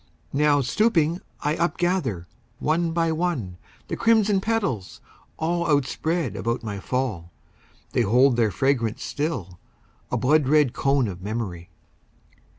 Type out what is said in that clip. Now, stooping, I upgather, one by one, The crimson petals, all Outspread about my fall. They hold their fragrance still, a blood red cone Of memory.